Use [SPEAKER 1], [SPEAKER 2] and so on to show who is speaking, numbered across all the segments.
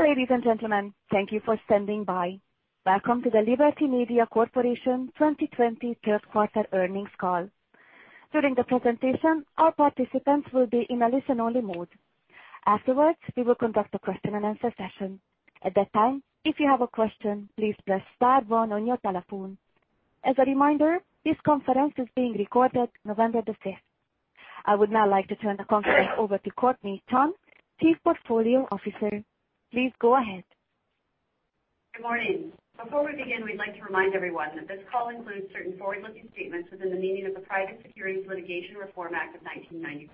[SPEAKER 1] Ladies and gentlemen, thank you for standing by. Welcome to the Liberty Media Corporation 2020 Third Quarter Earnings Call. During the presentation, all participants will be in a listen-only mode. Afterwards, we will conduct a question-and-answer session. At that time, if you have a question, please press star one on your telephone. As a reminder, this conference is being recorded November the 5th. I would now like to turn the conference over to Courtnee Chun, Chief Portfolio Officer. Please go ahead.
[SPEAKER 2] Good morning. Before we begin, we'd like to remind everyone that this call includes certain forward-looking statements within the meaning of the Private Securities Litigation Reform Act of 1995.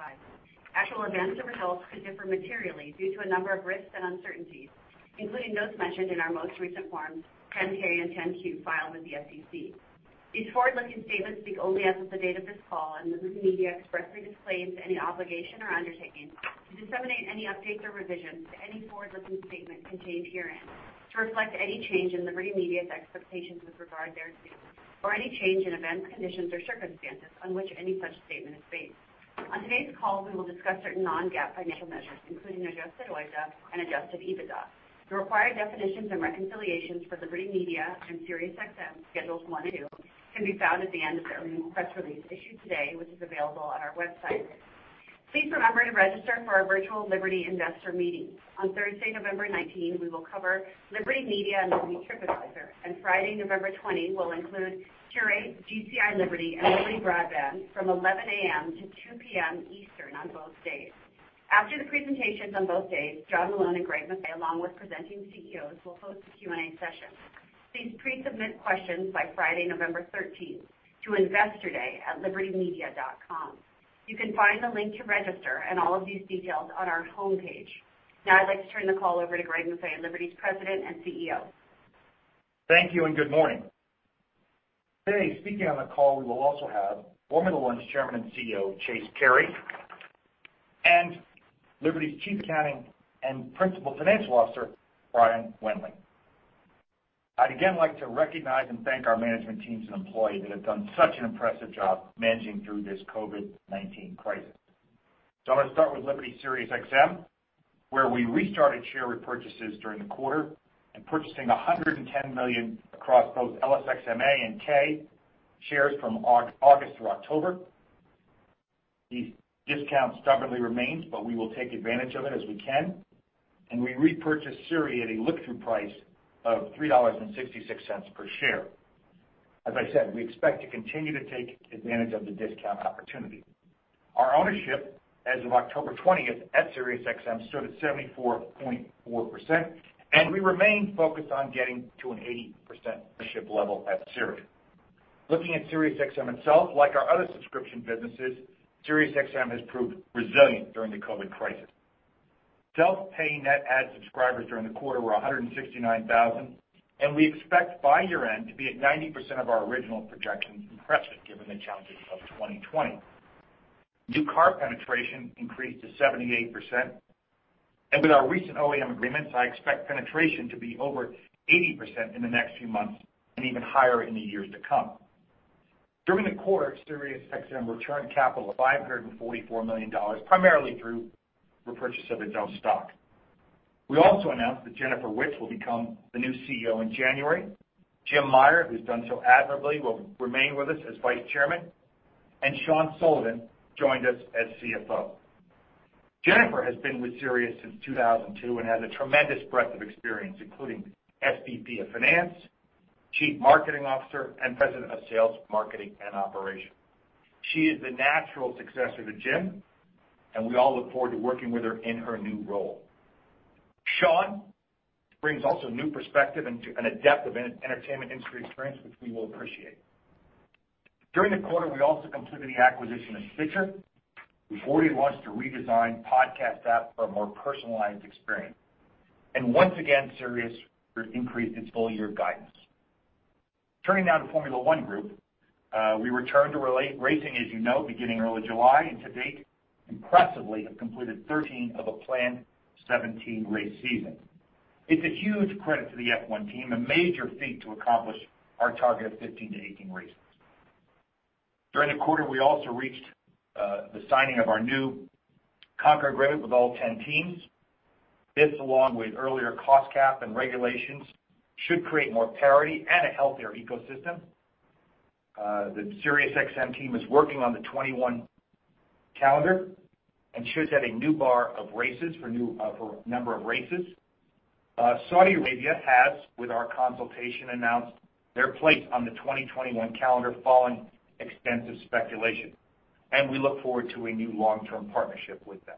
[SPEAKER 2] Actual events or results could differ materially due to a number of risks and uncertainties, including those mentioned in our most recent forms, 10-K and 10-Q filed with the SEC. These forward-looking statements speak only as of the date of this call, and Liberty Media expressly disclaims any obligation or undertaking to disseminate any updates or revisions to any forward-looking statements contained herein to reflect any change in Liberty Media's expectations with regard thereto, or any change in events, conditions, or circumstances on which any such statement is based. On today's call, we will discuss certain non-GAAP financial measures, including adjusted OIBDA and adjusted EBITDA. The required definitions and reconciliations for Liberty Media and SiriusXM Schedules one and two can be found at the end of the earnings press release issued today, which is available on our website. Please remember to register for our virtual Liberty Investor meeting. On Thursday, November 19, we will cover Liberty Media and TripAdvisor, and Friday, November 20, will include SiriusXM, GCI Liberty, and Liberty Broadband from 11:00 A.M. to 2:00 P.M. Eastern on both days. After the presentations on both days, John Malone and Greg Maffei, along with presenting CEOs, will host a Q&A session. Please pre-submit questions by Friday, November 13th to investortoday@libertymedia.com. You can find the link to register and all of these details on our homepage. I'd like to turn the call over to Greg Maffei, Liberty's President and CEO.
[SPEAKER 3] Thank you and good morning. Today, speaking on the call, we will also have Formula One's Chairman and CEO, Chase Carey, and Liberty's Chief Accounting and Principal Financial Officer, Brian Wendling. I'd again like to recognize and thank our management teams and employees that have done such an impressive job managing through this COVID-19 crisis. I'm going to start with Liberty SiriusXM, where we restarted share repurchases during the quarter and purchasing $110 million across both LSXMA and K shares from August through October. The discount stubbornly remains, but we will take advantage of it as we can, and we repurchase SiriusXM at a look-through price of $3.66 per share. As I said, we expect to continue to take advantage of the discount opportunity. Our ownership as of October 20th at SiriusXM stood at 74.4%, and we remain focused on getting to an 80% ownership level at SiriusXM. Looking at SiriusXM itself, like our other subscription businesses, SiriusXM has proved resilient during the COVID crisis. Self-pay net add subscribers during the quarter were 169,000, and we expect by year-end to be at 90% of our original projections, impressive given the challenges of 2020. New car penetration increased to 78%, and with our recent OEM agreements, I expect penetration to be over 80% in the next few months and even higher in the years to come. During the quarter, SiriusXM returned capital of $544 million, primarily through repurchase of its own stock. We also announced that Jennifer Witz will become the new CEO in January. Jim Meyer, who is done so admirably, will remain with us as Vice Chairman, and Sean Sullivan joined us as CFO. Jennifer has been with Sirius since 2002 and has a tremendous breadth of experience, including SVP of Finance, Chief Marketing Officer, and President of Sales, Marketing, and Operation. She is the natural successor to Jim, and we all look forward to working with her in her new role. Sean brings also a new perspective and a depth of entertainment industry experience, which we will appreciate. During the quarter, we also completed the acquisition of Stitcher. We have already launched a redesigned podcast app for a more personalized experience. Once again, Sirius increased its full-year guidance. Turning now to Formula One Group. We returned to racing, as you know, beginning early July, and to date, impressively have completed 13 of a planned 17 race season. It's a huge credit to the F1 team, a major feat to accomplish our target of 15-18 races. During the quarter, we also reached the signing of our new Concorde Agreement with all 10 teams. This, along with earlier cost cap and regulations, should create more parity and a healthier ecosystem. The SiriusXM team is working on the 2021 calendar and should set a new bar of races for number of races. Saudi Arabia has, with our consultation, announced their place on the 2021 calendar following extensive speculation. We look forward to a new long-term partnership with them.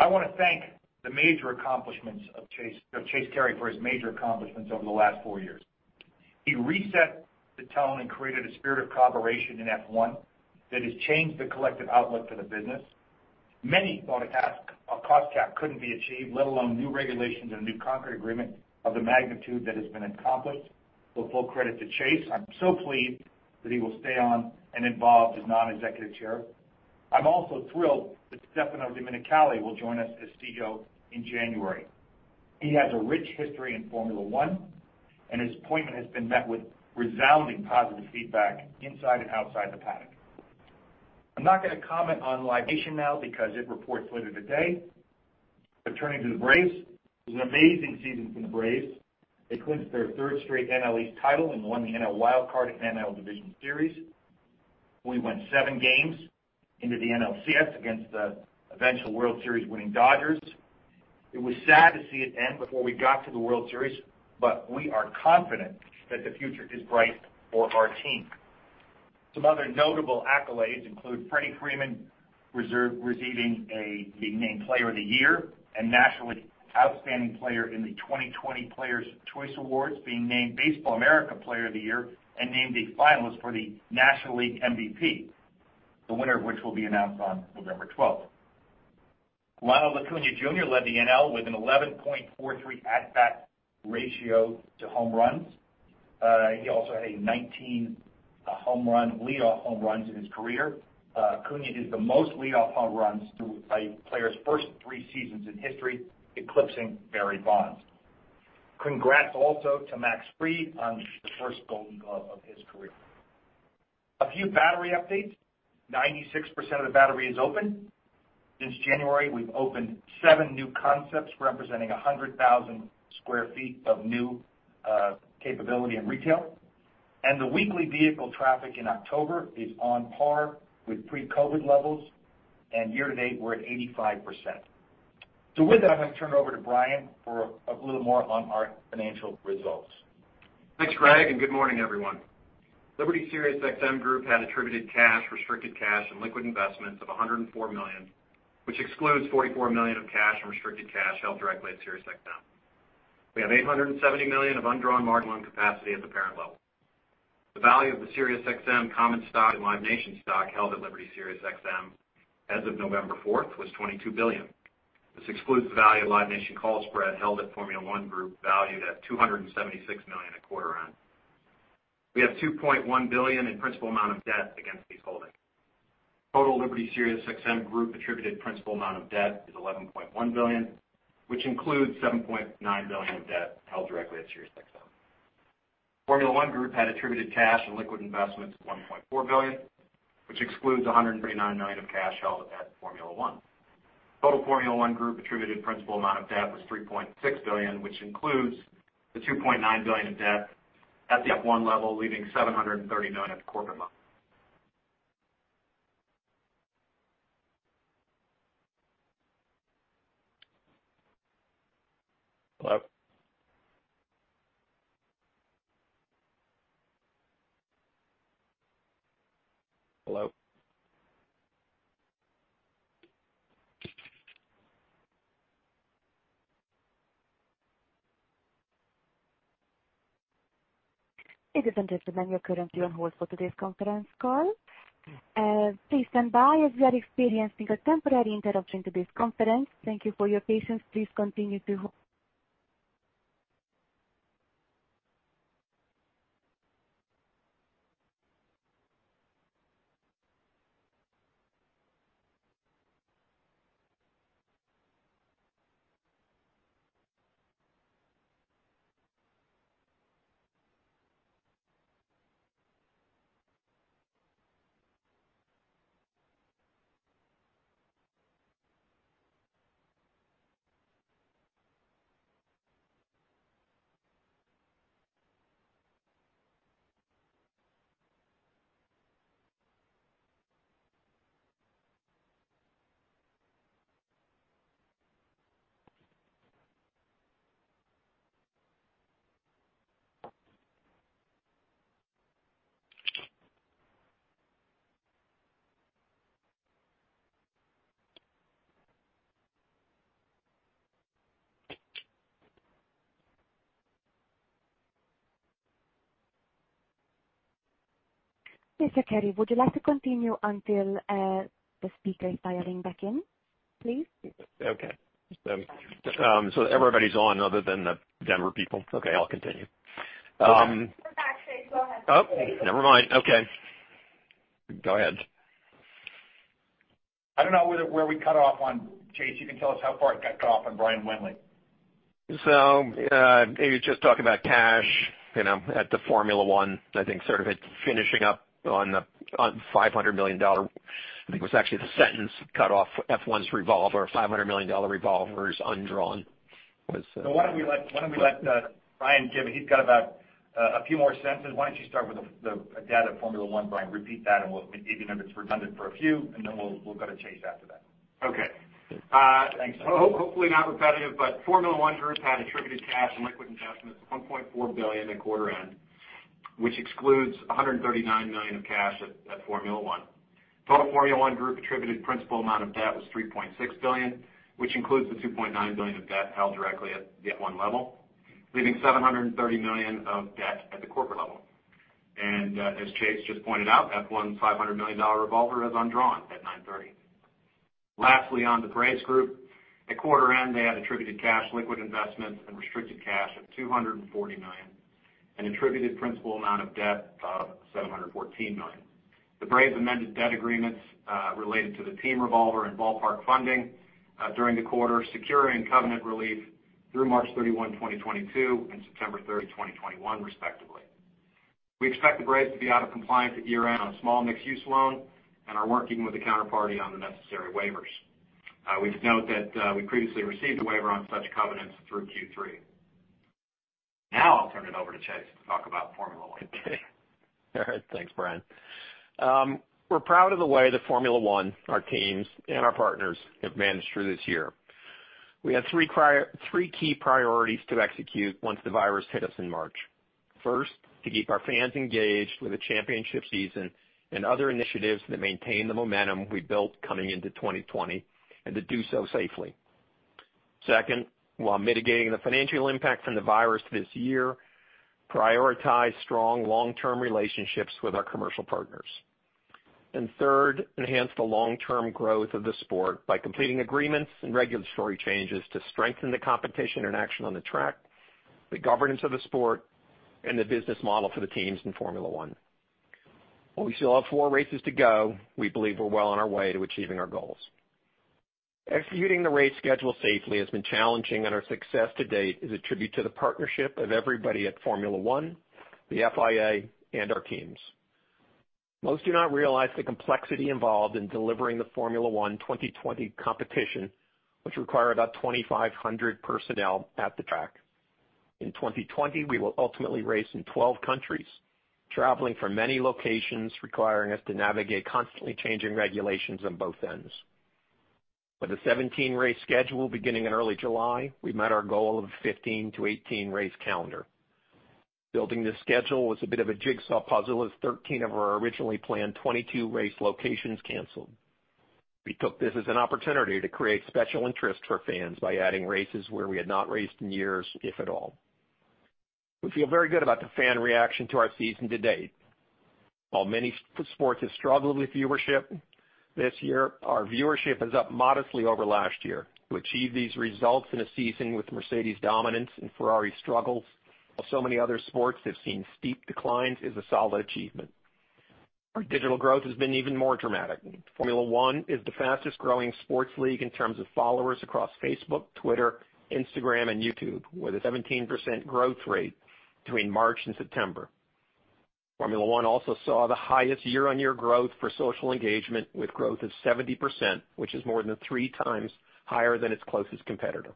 [SPEAKER 3] I want to thank the major accomplishments of Chase Carey for his major accomplishments over the last four years. He reset the tone and created a spirit of cooperation in F1 that has changed the collective outlook for the business. Many thought a cost cap couldn't be achieved, let alone new regulations and a new Concorde Agreement of the magnitude that has been accomplished. Full credit to Chase. I'm so pleased that he will stay on and involved as non-executive chair. I'm also thrilled that Stefano Domenicali will join us as CEO in January. He has a rich history in Formula One, and his appointment has been met with resounding positive feedback inside and outside the paddock. I'm not going to comment on Live Nation now because it reports later today. Turning to the Braves, it was an amazing season for the Braves. They clinched their third straight NL East title and won the NL Wild Card and NL Division Series. We went seven games into the NLCS against the eventual World Series-winning Dodgers. It was sad to see it end before we got to the World Series, but we are confident that the future is bright for our team. Some other notable accolades include Freddie Freeman receiving being named Player of the Year and National League Outstanding Player in the 2020 Players Choice Awards, being named Baseball America Player of the Year, and named a finalist for the National League MVP, the winner of which will be announced on November 12th. Ronald Acuña Jr. led the NL with an 11.43 at-bat ratio to home runs. He also had 19 home run lead off home runs in his career. Acuña has the most lead off home runs through a player's first three seasons in history, eclipsing Barry Bonds. Congrats also to Max Fried on the first Gold Glove of his career. A few Battery updates. 96% of the Battery is open. Since January, we've opened seven new concepts representing 100,000 sq ft of new capability and retail. The weekly vehicle traffic in October is on par with pre-COVID levels, and year-to-date, we're at 85%. With that, I'm going to turn it over to Brian for a little more on our financial results.
[SPEAKER 4] Thanks, Greg, and good morning, everyone. Liberty SiriusXM Group had attributed cash, restricted cash, and liquid investments of $104 million, which excludes $44 million of cash and restricted cash held directly at SiriusXM. We have $870 million of undrawn margin loan capacity at the parent level. The value of the SiriusXM common stock and Live Nation stock held at Liberty SiriusXM as of November 4th was $22 billion. This excludes the value of Live Nation call spread held at Formula One Group, valued at $276 million at quarter end. We have $2.1 billion in principal amount of debt against these holdings. Total Liberty SiriusXM Group attributed principal amount of debt is $11.1 billion, which includes $7.9 billion of debt held directly at SiriusXM. Formula One Group had attributed cash and liquid investments of $1.4 billion, which excludes $139 million of cash held at Formula One. Total Formula One Group attributed principal amount of debt was $3.6 billion, which includes the $2.9 billion of debt at the F1 level, leaving $730 million at the corporate level. Hello? Hello?
[SPEAKER 1] Mr. Carey, would you like to continue until the speaker is dialing back in, please?
[SPEAKER 5] Okay. Everybody's on other than the Denver people? Okay, I'll continue. Oh, never mind. Okay. Go ahead.
[SPEAKER 3] I don't know where we cut off on Chase, you can tell us how far it got cut off on Brian Wendling.
[SPEAKER 5] He was just talking about cash at the Formula One, I think sort of finishing up on $500 million. I think it was actually the sentence cut off F1's revolver, $500 million revolver is undrawn.
[SPEAKER 3] Why don't we let Brian give it. He's got about a few more sentences. Why don't you start with the data Formula One, Brian. Repeat that and even if it's redundant for a few, and then we'll go to Chase after that.
[SPEAKER 4] Okay. Thanks. Hopefully not repetitive, Formula One Group had attributed cash and liquid investments of $1.4 billion at quarter end, which excludes $139 million of cash at Formula One. Total Formula One Group attributed principal amount of debt was $3.6 billion, which includes the $2.9 billion of debt held directly at the F1 level, leaving $730 million of debt at the corporate level. As Chase just pointed out, F1's $500 million revolver is undrawn at 9/30. Lastly, on the Braves Group, at quarter end, they had attributed cash, liquid investments, and restricted cash of $240 million and attributed principal amount of debt of $714 million. The Braves amended debt agreements related to the team revolver and ballpark funding during the quarter, securing covenant relief through March 31st, 2022 and September 30th, 2021, respectively. We expect the Braves to be out of compliance at year-end on a small mixed-use loan and are working with the counterparty on the necessary waivers. We should note that we previously received a waiver on such covenants through Q3. Now I'll turn it over to Chase to talk about Formula One.
[SPEAKER 5] Okay. All right. Thanks, Brian. We're proud of the way that Formula One, our teams, and our partners have managed through this year. We had three key priorities to execute once the virus hit us in March. First, to keep our fans engaged with the championship season and other initiatives that maintain the momentum we built coming into 2020, and to do so safely. Second, while mitigating the financial impact from the virus this year, prioritize strong long-term relationships with our commercial partners. Third, enhance the long-term growth of the sport by completing agreements and regulatory changes to strengthen the competition and action on the track, the governance of the sport, and the business model for the teams in Formula One. While we still have four races to go, we believe we're well on our way to achieving our goals. Executing the race schedule safely has been challenging, and our success to date is a tribute to the partnership of everybody at Formula One, the FIA, and our teams. Most do not realize the complexity involved in delivering the Formula One 2020 competition, which require about 2,500 personnel at the track. In 2020, we will ultimately race in 12 countries, traveling from many locations, requiring us to navigate constantly changing regulations on both ends. With a 17 race schedule beginning in early July, we met our goal of a 15 to 18 race calendar. Building this schedule was a bit of a jigsaw puzzle, as 13 of our originally planned 22 race locations canceled. We took this as an opportunity to create special interest for fans by adding races where we had not raced in years, if at all. We feel very good about the fan reaction to our season to date. While many sports have struggled with viewership this year, our viewership is up modestly over last year. To achieve these results in a season with Mercedes dominance and Ferrari struggles, while so many other sports have seen steep declines, is a solid achievement. Our digital growth has been even more dramatic. Formula One is the fastest growing sports league in terms of followers across Facebook, Twitter, Instagram, and YouTube, with a 17% growth rate between March and September. Formula One also saw the highest year-on-year growth for social engagement with growth of 70%, which is more than three times higher than its closest competitor.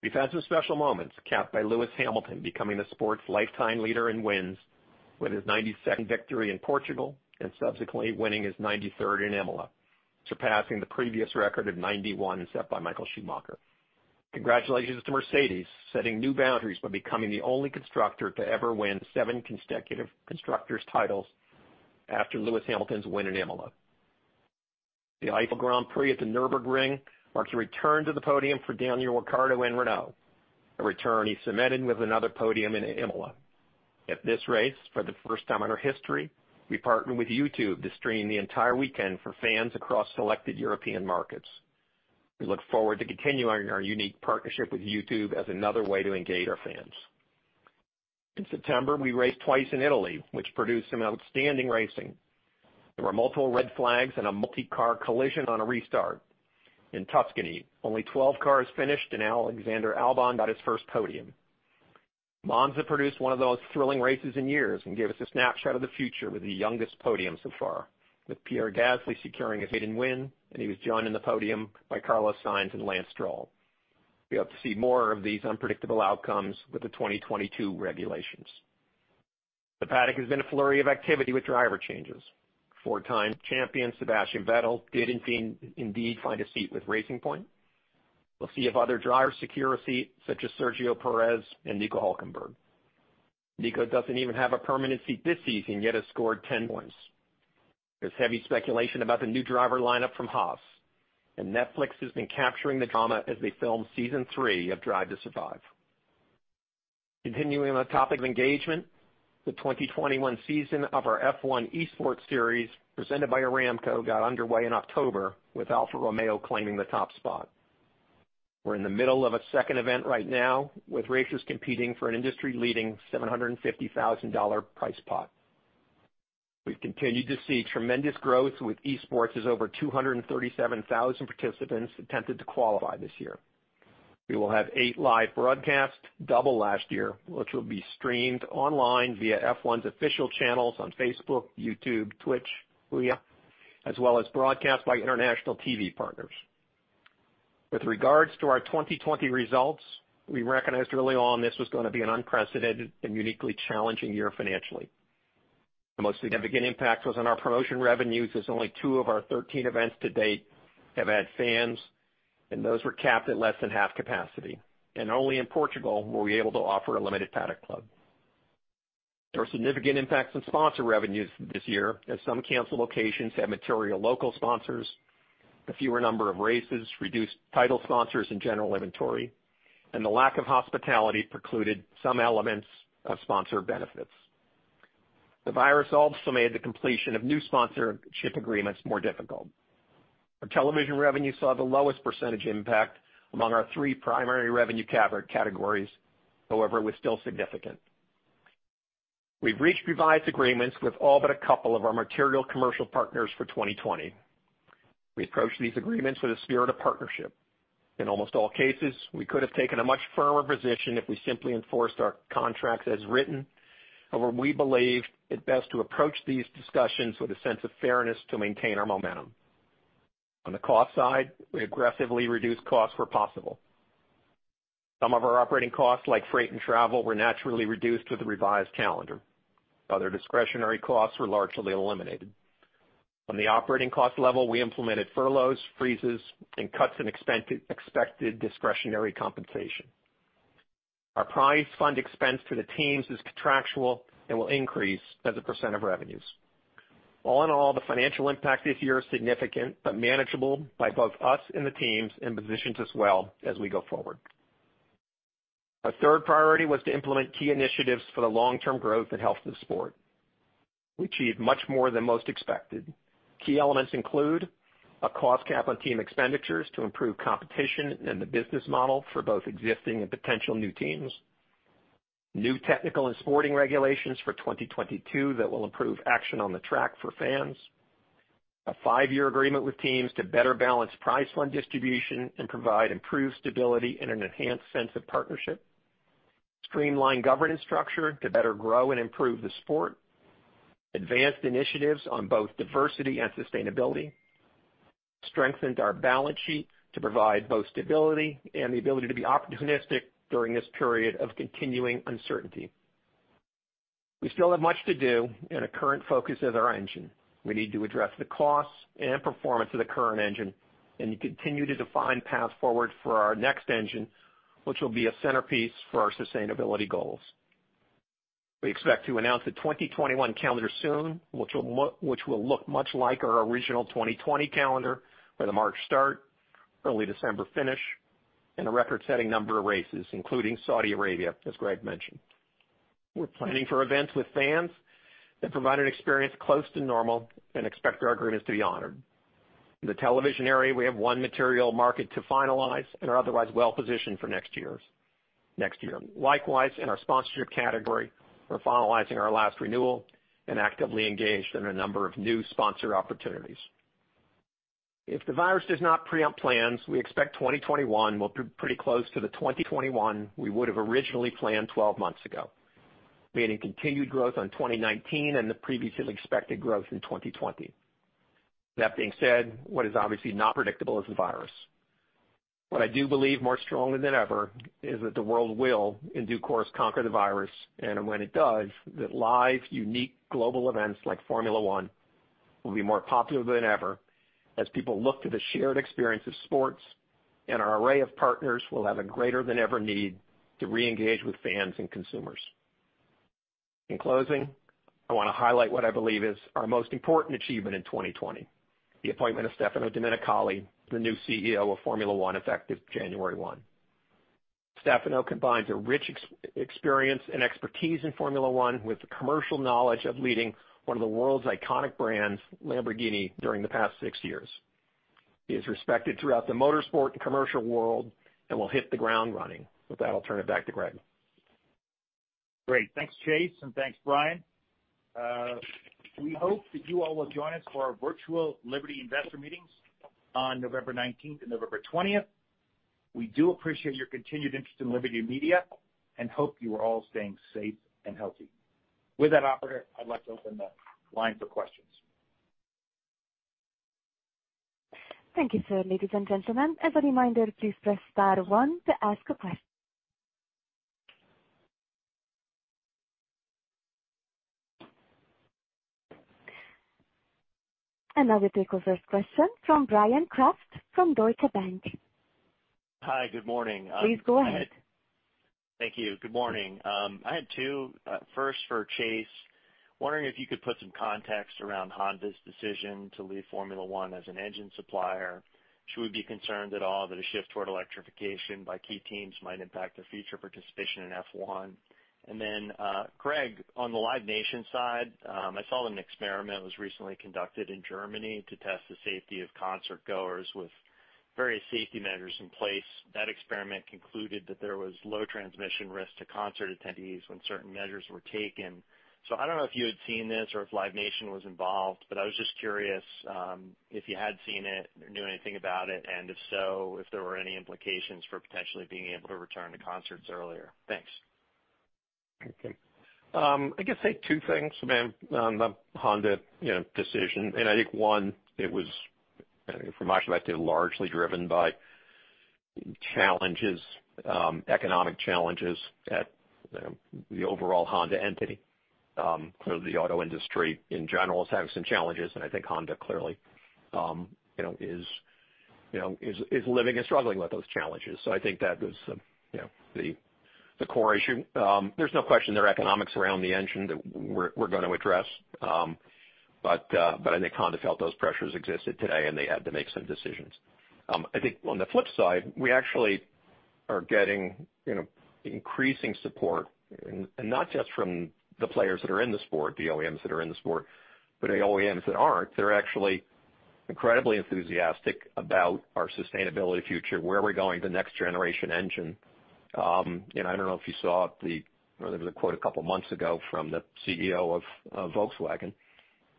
[SPEAKER 5] We've had some special moments, capped by Lewis Hamilton becoming the sport's lifetime leader in wins with his 92nd victory in Portugal and subsequently winning his 93rd in Imola, surpassing the previous record of 91 set by Michael Schumacher. Congratulations to Mercedes, setting new boundaries by becoming the only constructor to ever win seven consecutive constructors' titles after Lewis Hamilton's win in Imola. The Eifel Grand Prix at the Nürburgring marks a return to the podium for Daniel Ricciardo and Renault, a return he cemented with another podium in Imola. At this race, for the first time in our history, we partnered with YouTube to stream the entire weekend for fans across selected European markets. We look forward to continuing our unique partnership with YouTube as another way to engage our fans. In September, we raced twice in Italy, which produced some outstanding racing. There were multiple red flags and a multi-car collision on a restart. In Tuscany, only 12 cars finished, and Alexander Albon got his first podium. Monza produced one of the most thrilling races in years and gave us a snapshot of the future with the youngest podium so far, with Pierre Gasly securing a maiden win, and he was joined in the podium by Carlos Sainz and Lance Stroll. We hope to see more of these unpredictable outcomes with the 2022 regulations. The paddock has been a flurry of activity with driver changes. Four-time champion Sebastian Vettel did indeed find a seat with Racing Point. We'll see if other drivers secure a seat, such as Sergio Pérez and Nico Hülkenberg. Nico doesn't even have a permanent seat this season, yet has scored 10 points. There's heavy speculation about the new driver lineup from Haas. Netflix has been capturing the drama as they film Season Three of "Drive to Survive." Continuing on the topic of engagement, the 2021 season of our F1 Esports Series presented by Aramco got underway in October, with Alfa Romeo claiming the top spot. We're in the middle of a second event right now, with racers competing for an industry leading $750,000 prize pot. We've continued to see tremendous growth with esports, as over 237,000 participants attempted to qualify this year. We will have eight live broadcasts, double last year, which will be streamed online via F1's official channels on Facebook, YouTube, Twitch, Huya, as well as broadcast by international TV partners. With regards to our 2020 results, we recognized early on this was going to be an unprecedented and uniquely challenging year financially. The most significant impact was on our promotion revenues, as only two of our 13 events to date have had fans, and those were capped at less than half capacity. Only in Portugal were we able to offer a limited Paddock Club. There were significant impacts on sponsor revenues this year, as some canceled locations had material local sponsors. The fewer number of races reduced title sponsors and general inventory, and the lack of hospitality precluded some elements of sponsor benefits. The virus also made the completion of new sponsorship agreements more difficult. Our television revenue saw the lowest percentage impact among our three primary revenue categories. However, it was still significant. We've reached revised agreements with all but a couple of our material commercial partners for 2020. We approach these agreements with a spirit of partnership. In almost all cases, we could have taken a much firmer position if we simply enforced our contracts as written. However, we believe it best to approach these discussions with a sense of fairness to maintain our momentum. On the cost side, we aggressively reduced costs where possible. Some of our operating costs, like freight and travel, were naturally reduced with the revised calendar. Other discretionary costs were largely eliminated. On the operating cost level, we implemented furloughs, freezes, and cuts in expected discretionary compensation. Our prize fund expense to the teams is contractual and will increase as a % of revenues. All in all, the financial impact this year is significant, but manageable by both us and the teams, and positions us well as we go forward. Our third priority was to implement key initiatives for the long-term growth and health of the sport. We achieved much more than most expected. Key elements include a cost cap on team expenditures to improve competition and the business model for both existing and potential new teams. New technical and sporting regulations for 2022 that will improve action on the track for fans. A five-year agreement with teams to better balance prize fund distribution and provide improved stability and an enhanced sense of partnership. Streamlined governance structure to better grow and improve the sport. Advanced initiatives on both diversity and sustainability. Strengthened our balance sheet to provide both stability and the ability to be opportunistic during this period of continuing uncertainty. We still have much to do, and a current focus is our engine. We need to address the costs and performance of the current engine and continue to define paths forward for our next engine, which will be a centerpiece for our sustainability goals. We expect to announce the 2021 calendar soon, which will look much like our original 2020 calendar, with a March start, early December finish, and a record-setting number of races, including Saudi Arabia, as Greg mentioned. We're planning for events with fans that provide an experience close to normal and expect our agreements to be honored. In the television area, we have one material market to finalize and are otherwise well-positioned for next year. Likewise, in our sponsorship category, we're finalizing our last renewal and actively engaged in a number of new sponsor opportunities. If the virus does not preempt plans, we expect 2021 will be pretty close to the 2021 we would have originally planned 12 months ago, meaning continued growth on 2019 and the previously expected growth in 2020. That being said, what is obviously not predictable is the virus. What I do believe more strongly than ever is that the world will, in due course, conquer the virus, and when it does, that live, unique global events like Formula One will be more popular than ever as people look to the shared experience of sports and our array of partners will have a greater-than-ever need to reengage with fans and consumers. In closing, I want to highlight what I believe is our most important achievement in 2020, the appointment of Stefano Domenicali, the new CEO of Formula One, effective January 1. Stefano combines a rich experience and expertise in Formula One with the commercial knowledge of leading one of the world's iconic brands, Lamborghini, during the past six years. He is respected throughout the motorsport and commercial world and will hit the ground running. With that, I'll turn it back to Greg.
[SPEAKER 3] Great. Thanks, Chase, and thanks, Brian. We hope that you all will join us for our virtual Liberty Investor Meetings on November 19th and November 20th. We do appreciate your continued interest in Liberty Media and hope you are all staying safe and healthy. With that, operator, I'd like to open the line for questions.
[SPEAKER 1] Thank you, sir. Ladies and gentlemen, as a reminder, please press star one to ask a question. I will take the first question from Bryan Kraft from Deutsche Bank.
[SPEAKER 6] Hi, good morning.
[SPEAKER 1] Please go ahead.
[SPEAKER 6] Thank you. Good morning. I had two. First for Chase. Wondering if you could put some context around Honda's decision to leave Formula One as an engine supplier. Should we be concerned at all that a shift toward electrification by key teams might impact their future participation in F1? Then, Greg, on the Live Nation side, I saw an experiment was recently conducted in Germany to test the safety of concertgoers with various safety measures in place. That experiment concluded that there was low transmission risk to concert attendees when certain measures were taken. I don't know if you had seen this or if Live Nation was involved, but I was just curious if you had seen it or knew anything about it, and if so, if there were any implications for potentially being able to return to concerts earlier. Thanks.
[SPEAKER 5] Okay. I guess I'd say two things. The Honda decision. I think one, it was, from our perspective, largely driven by challenges, economic challenges at the overall Honda entity. Clearly, the auto industry, in general, is having some challenges, and I think Honda clearly is living and struggling with those challenges. I think that was the core issue. There's no question there are economics around the engine that we're going to address. I think Honda felt those pressures existed today, and they had to make some decisions. I think on the flip side, we actually are getting increasing support, and not just from the players that are in the sport, the OEMs that are in the sport, but the OEMs that aren't. They're actually incredibly enthusiastic about our sustainability future, where we're going with the next-generation engine. I don't know if you saw it, there was a quote a couple of months ago from the CEO of Volkswagen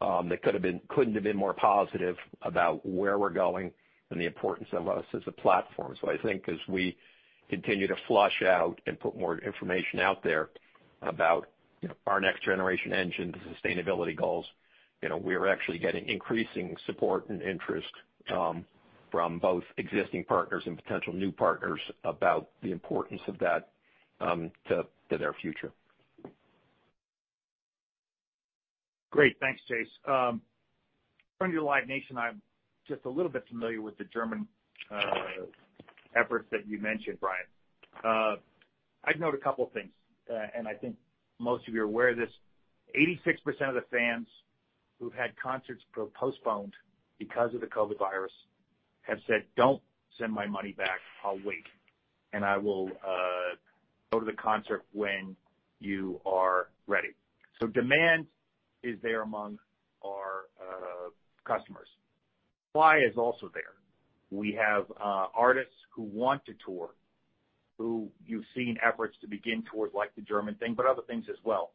[SPEAKER 5] that couldn't have been more positive about where we're going and the importance of us as a platform. I think as we continue to flush out and put more information out there about our next-generation engines, sustainability goals, we're actually getting increasing support and interest from both existing partners and potential new partners about the importance of that to their future.
[SPEAKER 3] Great. Thanks, Chase. Turning to Live Nation, I'm just a little bit familiar with the German efforts that you mentioned, Bryan. I'd note a couple of things, and I think most of you are aware of this. 86% of the fans who've had concerts postponed because of the COVID virus have said, "Don't send my money back. I'll wait, and I will go to the concert when you are ready." Demand is there among our customers. Supply is also there. We have artists who want to tour, who you've seen efforts to begin tours like the German thing, but other things as well.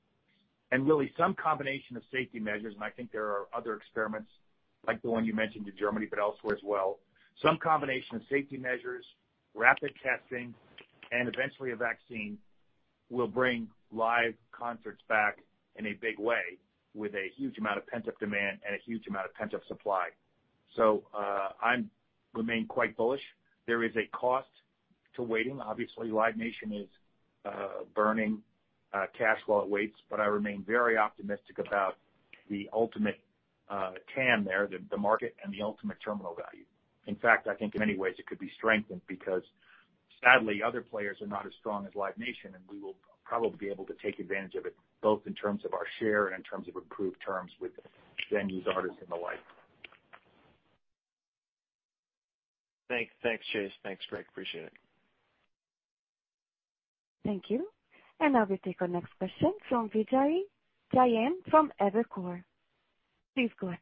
[SPEAKER 3] Really some combination of safety measures, and I think there are other experiments like the one you mentioned in Germany, but elsewhere as well. Some combination of safety measures, rapid testing, and eventually a vaccine will bring live concerts back in a big way with a huge amount of pent-up demand and a huge amount of pent-up supply. I remain quite bullish. There is a cost to waiting. Obviously, Live Nation is burning cash while it waits. I remain very optimistic about the ultimate TAM there, the market and the ultimate terminal value. In fact, I think in many ways it could be strengthened because sadly, other players are not as strong as Live Nation. We will probably be able to take advantage of it both in terms of our share and in terms of improved terms with venues, artists, and the like.
[SPEAKER 6] Thanks, Chase. Thanks, Greg. Appreciate it.
[SPEAKER 1] Thank you. Now we take our next question from Vijay Jayant from Evercore. Please go ahead.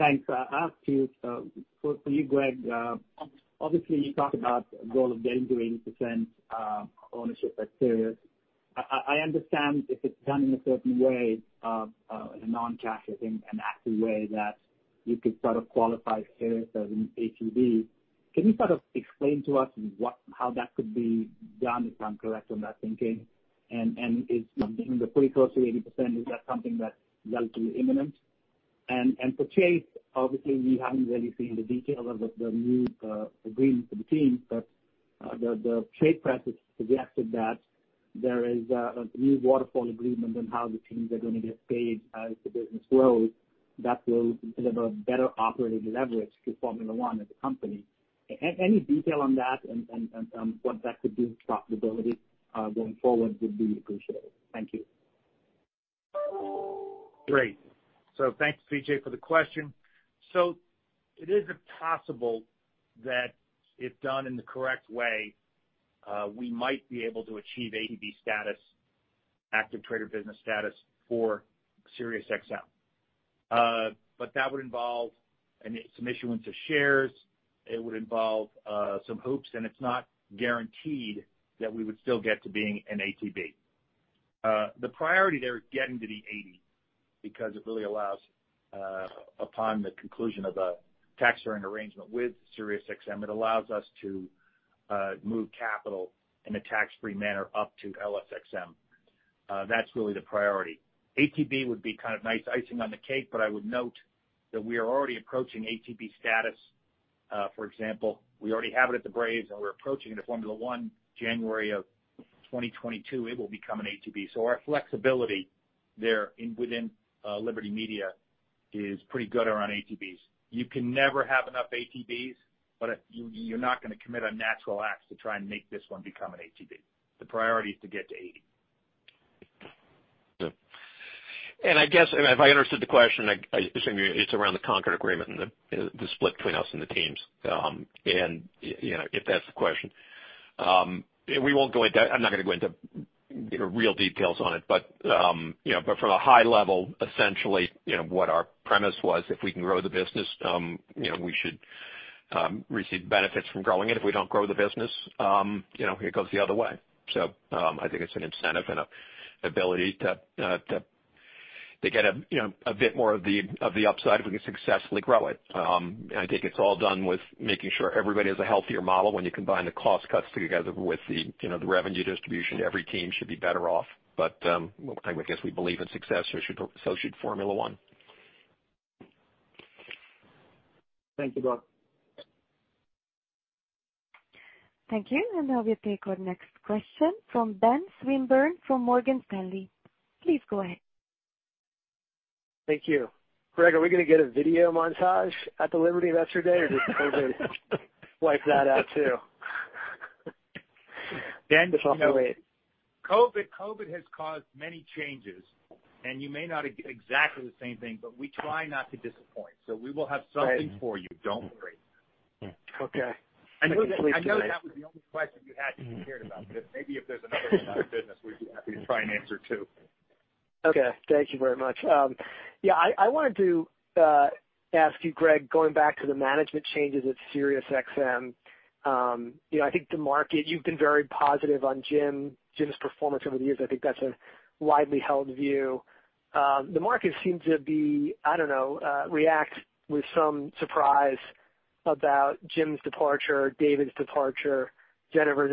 [SPEAKER 7] Thanks. I'll ask you, for you, Greg Maffei, obviously you talk about the goal of getting to 80% ownership at SiriusXM. I understand if it's done in a certain way, in a non-cash, I think, an active way that you could sort of qualify SiriusXM as an ATB. Can you sort of explain to us how that could be done, if I'm correct on that thinking? Is getting pretty close to 80%, is that something that's relatively imminent? For Chase Carey, obviously, we haven't really seen the details of the new agreement for the teams, but the trade press has suggested that there is a new waterfall agreement on how the teams are going to get paid as the business grows that will deliver better operating leverage to Formula One as a company. Any detail on that and what that could do to profitability going forward would be appreciated. Thank you.
[SPEAKER 3] Great. Thanks, Vijay, for the question. It is possible that if done in the correct way, we might be able to achieve ATB status, active trade or business status for SiriusXM. That would involve some issuance of shares. It would involve some hoops, and it's not guaranteed that we would still get to being an ATB. The priority there is getting to the 80 because it really allows, upon the conclusion of a tax sharing arrangement with SiriusXM, it allows us to move capital in a tax-free manner up to LSXM. That's really the priority. ATB would be kind of nice icing on the cake, but I would note that we are already approaching ATB status. For example, we already have it at the Braves, and we're approaching it at Formula One. January of 2022, it will become an ATB. Our flexibility there within Liberty Media is pretty good around ATBs. You can never have enough ATBs, you're not going to commit unnatural acts to try and make this one become an ATB. The priority is to get to 80.
[SPEAKER 5] I guess if I understood the question, I assume it's around the Concorde Agreement and the split between us and the teams, if that's the question. I'm not going to go into real details on it. From a high level, essentially, what our premise was, if we can grow the business, we should receive benefits from growing it. If we don't grow the business, it goes the other way. I think it's an incentive and an ability to get a bit more of the upside if we can successfully grow it. I think it's all done with making sure everybody has a healthier model when you combine the cost cuts together with the revenue distribution, every team should be better off. I guess we believe in success. We should associate Formula One.
[SPEAKER 7] Thank you both.
[SPEAKER 1] Thank you. Now we take our next question from Ben Swinburne from Morgan Stanley. Please go ahead.
[SPEAKER 8] Thank you. Greg, are we going to get a video montage at the Liberty Investor Day, or did COVID wipe that out too?
[SPEAKER 3] Ben
[SPEAKER 5] It's on the way.
[SPEAKER 3] COVID has caused many changes, and you may not get exactly the same thing, but we try not to disappoint. We will have something for you. Don't worry.
[SPEAKER 8] Okay. I can sleep tonight.
[SPEAKER 3] I know that was the only question you had that you cared about, but maybe if there's another one on the business, we'd be happy to try and answer, too.
[SPEAKER 8] Okay. Thank you very much. I wanted to ask you, Greg, going back to the management changes at SiriusXM. You've been very positive on Jim's performance over the years. I think that's a widely held view. The market seemed to react with some surprise about Jim's departure, David's departure, Jennifer's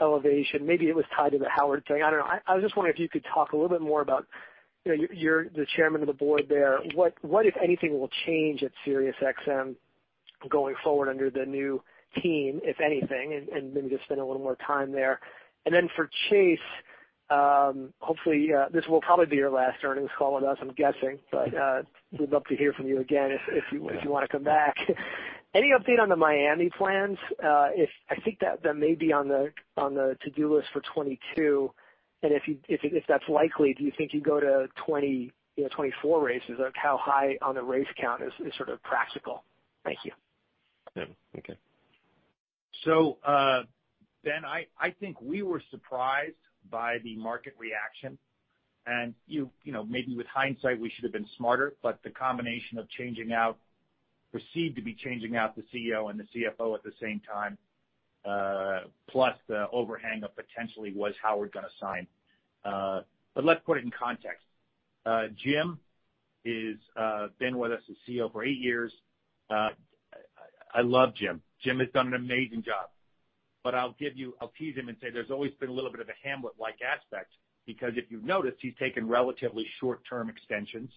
[SPEAKER 8] elevation. Maybe it was tied to the Howard thing. I don't know. I was just wondering if you could talk a little bit more about, you're the chairman of the board there, what, if anything, will change at SiriusXM going forward under the new team, if anything, and maybe just spend a little more time there. For Chase, this will probably be your last earnings call with us, I'm guessing. We'd love to hear from you again if you want to come back. Any update on the Miami plans? I think that may be on the to-do list for 2022. If that's likely, do you think you'd go to 24 races? How high on the race count is practical? Thank you.
[SPEAKER 5] Yeah. Okay.
[SPEAKER 3] Ben, I think we were surprised by the market reaction. Maybe with hindsight, we should've been smarter, but the combination of perceived to be changing out the CEO and the CFO at the same time, plus the overhang of potentially was Howard going to sign. Let's put it in context. Jim has been with us as CEO for eight years. I love Jim. Jim has done an amazing job. I'll tease him and say there's always been a little bit of a Hamlet-like aspect, because if you've noticed, he's taken relatively short-term extensions,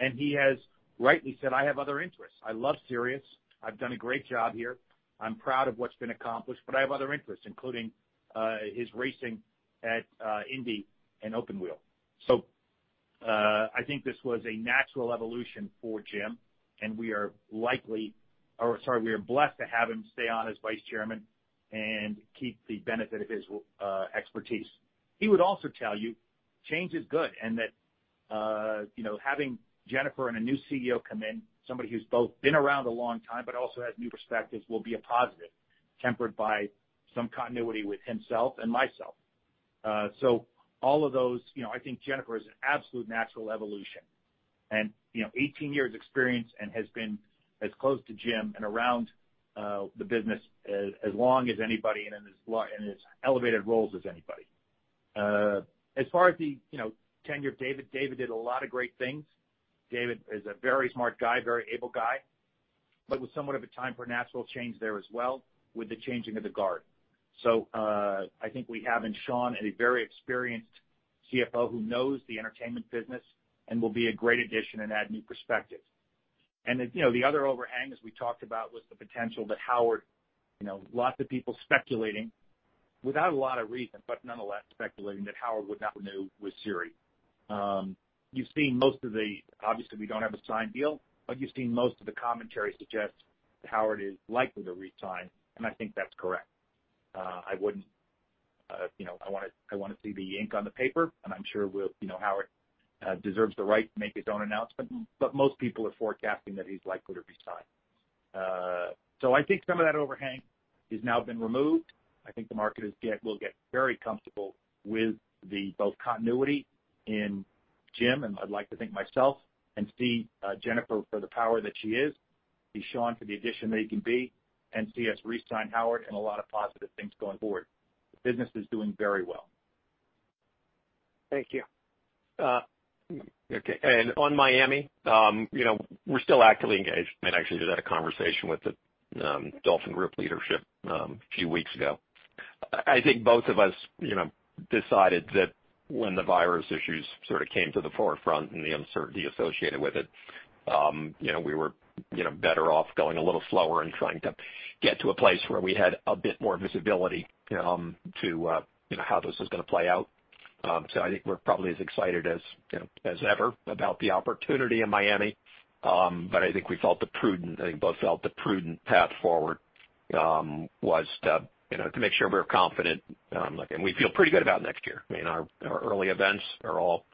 [SPEAKER 3] and he has rightly said, "I have other interests. I love Sirius. I've done a great job here. I'm proud of what's been accomplished, but I have other interests," including his racing at Indy and open wheel. I think this was a natural evolution for Jim, and we are blessed to have him stay on as vice chairman and keep the benefit of his expertise. He would also tell you change is good and that having Jennifer and a new CEO come in, somebody who's both been around a long time but also has new perspectives, will be a positive, tempered by some continuity with himself and myself. All of those, I think Jennifer is an absolute natural evolution. 18 years experience and has been as close to Jim and around the business as long as anybody and in as elevated roles as anybody. As far as the tenure of David did a lot of great things. David is a very smart guy, very able guy, but it was somewhat of a time for a natural change there as well with the changing of the guard. I think we have in Sean a very experienced CFO who knows the entertainment business and will be a great addition and add new perspectives. The other overhang, as we talked about, was the potential that Howard, lots of people speculating without a lot of reason, but nonetheless speculating that Howard would not renew with SiriusXM. Obviously, we don't have a signed deal, but you've seen most of the commentary suggest that Howard is likely to re-sign, and I think that's correct. I want to see the ink on the paper, and I'm sure Howard deserves the right to make his own announcement, but most people are forecasting that he's likely to re-sign. I think some of that overhang has now been removed. I think the market will get very comfortable with both continuity in Jim, and I'd like to think myself, and see Jennifer for the power that she is, see Sean for the addition that he can be, and see us re-sign Howard and a lot of positive things going forward. The business is doing very well.
[SPEAKER 8] Thank you.
[SPEAKER 5] Okay. On Miami, we're still actively engaged and actually just had a conversation with the Miami Dolphins leadership a few weeks ago. I think both of us decided that when the virus issues sort of came to the forefront and the uncertainty associated with it, we were better off going a little slower and trying to get to a place where we had a bit more visibility to how this was going to play out. I think we're probably as excited as ever about the opportunity in Miami. I think we both felt the prudent path forward was to make sure we're confident. We feel pretty good about next year. Our early events are all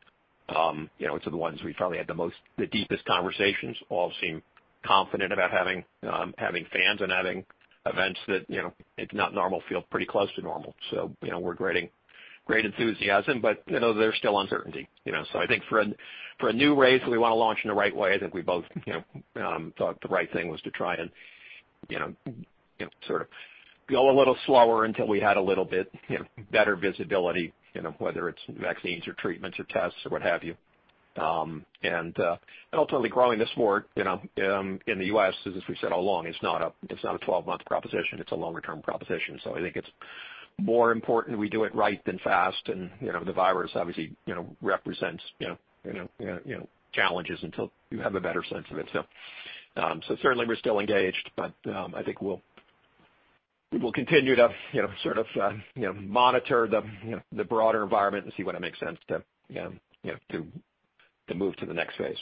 [SPEAKER 5] the ones we probably had the deepest conversations all seem confident about having fans and having events that if not normal, feel pretty close to normal. With great enthusiasm, but there's still uncertainty. I think for a new race that we want to launch in the right way, I think we both thought the right thing was to try and go a little slower until we had a little bit better visibility, whether it's vaccines or treatments or tests or what have you. Ultimately growing the sport in the U.S. is, as we've said all along, it's not a 12-month proposition. It's a longer-term proposition. I think it's more important we do it right than fast, and the virus obviously represents challenges until you have a better sense of it. Certainly we're still engaged, but I think we will continue to monitor the broader environment and see when it makes sense to move to the next phase.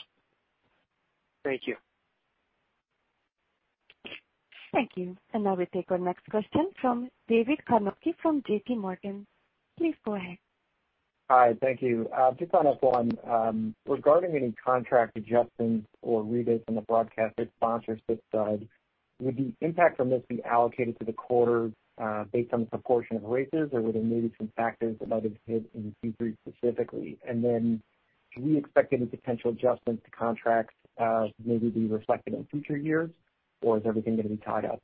[SPEAKER 8] Thank you.
[SPEAKER 1] Thank you. Now we take our next question from David Karnovsky from JPMorgan. Please go ahead.
[SPEAKER 9] Hi, thank you. To follow up on regarding any contract adjustments or rebates on the broadcaster sponsorship side, would the impact from this be allocated to the quarter based on the proportion of races, or were there maybe some factors that might have hit in Q3 specifically? Then should we expect any potential adjustments to contracts maybe be reflected in future years, or is everything going to be tied up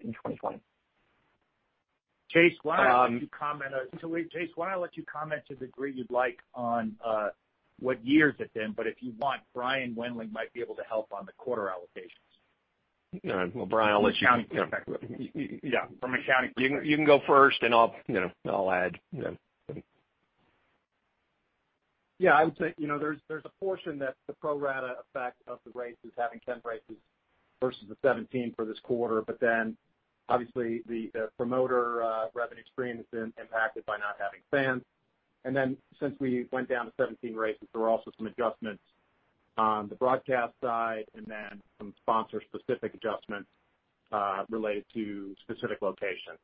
[SPEAKER 9] in 2020?
[SPEAKER 3] Chase, why don't I let you comment? Wait, Chase, why don't I let you comment to the degree you'd like on what year is at then, but if you want, Brian Wendling might be able to help on the quarter allocations.
[SPEAKER 5] Brian, I'll let you from an accounting perspective. From an accounting perspective. You can go first and I'll add.
[SPEAKER 4] I would say, there's a portion that the pro rata effect of the races, having 10 races versus the 17 for this quarter. Obviously the promoter revenue stream has been impacted by not having fans. Since we went down to 17 races, there were also some adjustments on the broadcast side, and then some sponsor specific adjustments related to specific locations.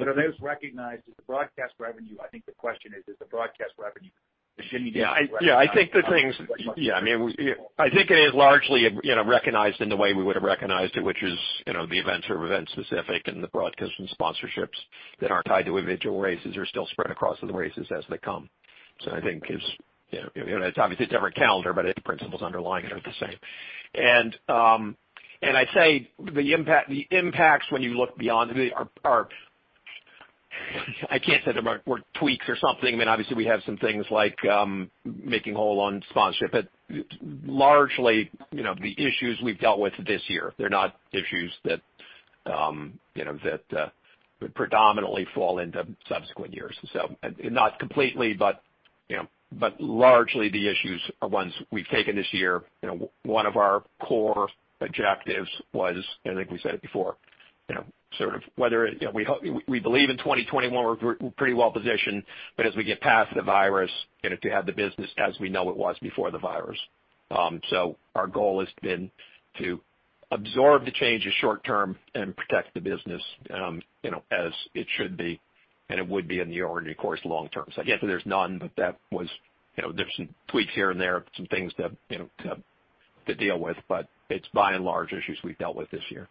[SPEAKER 4] Are those recognized as the broadcast revenue? I think the question is the broadcast revenue the same as
[SPEAKER 5] Yeah, I think the things, I think it is largely recognized in the way we would've recognized it, which is, the events are event specific and the broadcast and sponsorships that aren't tied to individual races are still spread across the races as they come. I think it's obviously a different calendar, but the principles underlying it are the same. I'd say the impacts, when you look beyond, are, I can't say they're worth tweaks or something. Obviously we have some things like making whole on sponsorship. Largely, the issues we've dealt with this year, they're not issues that would predominantly fall into subsequent years. Not completely, but largely the issues are ones we've taken this year. One of our core objectives was, and I think we said it before, we believe in 2021 we're pretty well positioned, but as we get past the virus, to have the business as we know it was before the virus. Our goal has been to absorb the changes short term and protect the business, as it should be, and it would be in the ordinary course long term. Yes, there's none, but there's some tweaks here and there, some things to deal with. It's by and large issues we've dealt with this year.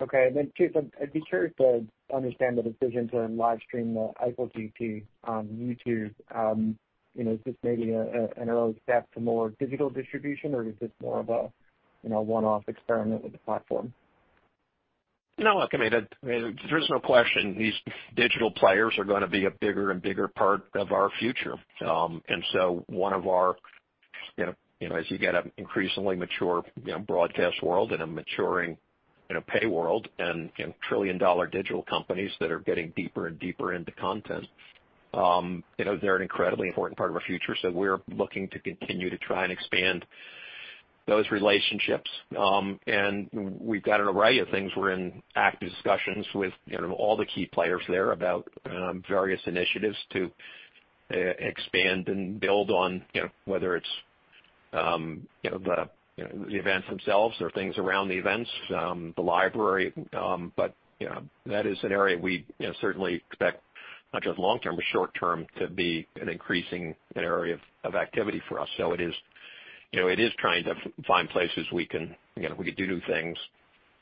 [SPEAKER 9] Okay, Chase, I'd be curious to understand the decisions around live streaming the Eifel GP on YouTube. Is this maybe an early step to more digital distribution or is this more of a one-off experiment with the platform?
[SPEAKER 5] There's no question these digital players are going to be a bigger and bigger part of our future. One of our, as you get an increasingly mature broadcast world and a maturing pay world and trillion-dollar digital companies that are getting deeper and deeper into content, they're an incredibly important part of our future. We're looking to continue to try and expand those relationships. We've got an array of things. We're in active discussions with all the key players there about various initiatives to expand and build on, whether it's the events themselves or things around the events, the library. That is an area we certainly expect not just long term, but short term to be an increasing area of activity for us. It is trying to find places we could do new things,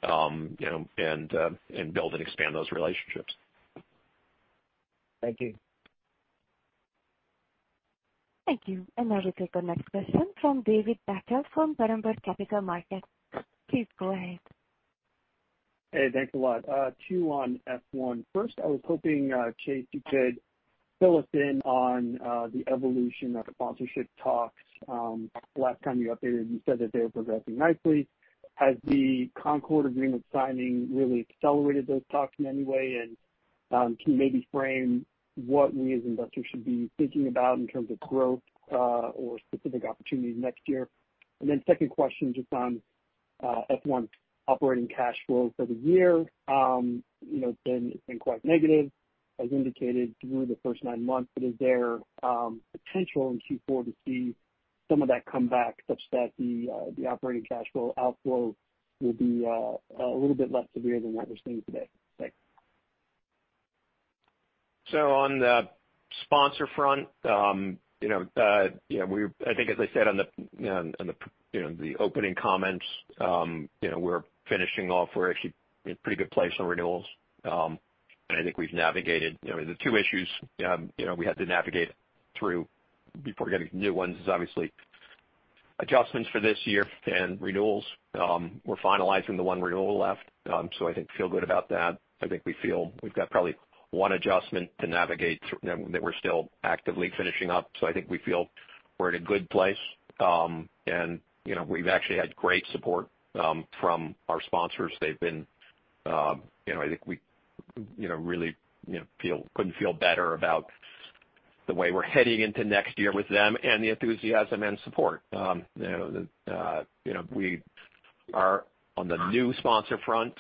[SPEAKER 5] and build and expand those relationships.
[SPEAKER 9] Thank you.
[SPEAKER 1] Thank you. Now we take the next question from David Beckel, from Berenberg Capital Markets. Please go ahead.
[SPEAKER 10] Hey, thanks a lot. Two on F1. I was hoping, Chase, you could fill us in on the evolution of the sponsorship talks. Last time you updated, you said that they were progressing nicely. Has the Concorde Agreement signing really accelerated those talks in any way? Can you maybe frame what we as investors should be thinking about in terms of growth or specific opportunities next year? Second question, just on F1 operating cash flow for the year. It's been quite negative as indicated through the first nine months. Is there potential in Q4 to see some of that come back such that the operating cash flow outflow will be a little bit less severe than what we're seeing today? Thanks.
[SPEAKER 5] On the sponsor front, I think as I said on the opening comments, we're finishing off. We're actually in a pretty good place on renewals. I think we've navigated the two issues we had to navigate through before getting to new ones is obviously adjustments for this year and renewals. We're finalizing the one renewal left. I think, feel good about that. I think we feel we've got probably one adjustment to navigate that we're still actively finishing up. I think we feel we're in a good place. We've actually had great support from our sponsors. I think we really couldn't feel better about the way we're heading into next year with them and the enthusiasm and support. We are, on the new sponsor front,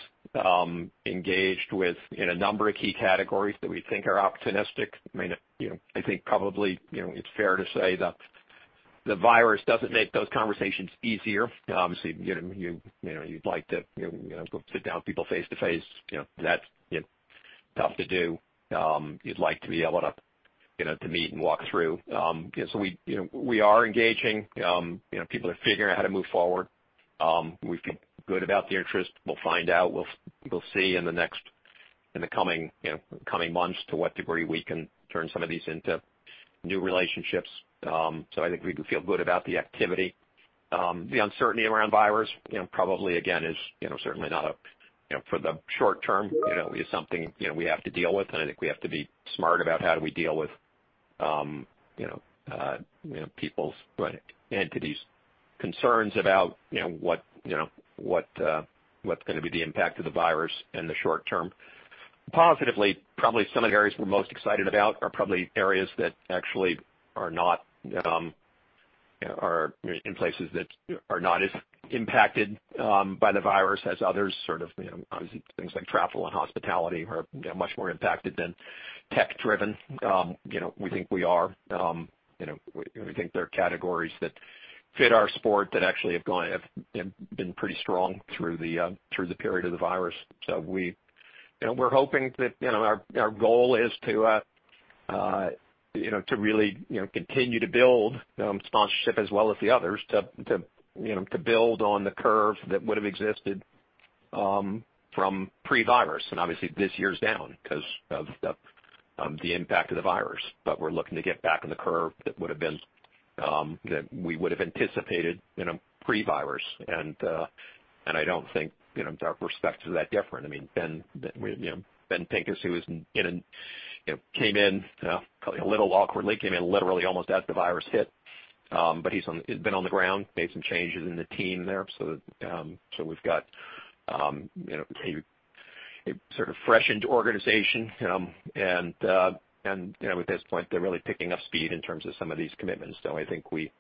[SPEAKER 5] engaged with a number of key categories that we think are opportunistic. I think probably it's fair to say that the virus doesn't make those conversations easier. Obviously, you'd like to go sit down with people face to face. That tough to do. You'd like to be able to meet and walk through. We are engaging. People are figuring out how to move forward. We feel good about the interest. We'll find out, we'll see in the coming months to what degree we can turn some of these into new relationships. I think we feel good about the activity. The uncertainty around virus, probably, again, is certainly not for the short term. It's something we have to deal with, and I think we have to be smart about how do we deal with entities' concerns about what's going to be the impact of the virus in the short term. Positively, probably some of the areas we're most excited about are probably areas that actually are in places that are not as impacted by the virus as others. Obviously, things like travel and hospitality are much more impacted than tech-driven. We think there are categories that fit our sport that actually have been pretty strong through the period of the virus. We're hoping that our goal is to really continue to build sponsorship as well as the others to build on the curve that would've existed from pre-virus. Obviously, this year's down because of the impact of the virus. We're looking to get back on the curve that we would've anticipated pre-virus. I don't think our perspective is that different. Ben Pincus, who came in a little awkwardly, came in literally almost as the virus hit. He's been on the ground, made some changes in the team there. We've got a sort of freshened organization. At this point, they're really picking up speed in terms of some of these commitments, though I think we